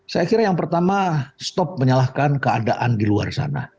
saya kira yang pertama stop menyalahkan keadaan di luar sana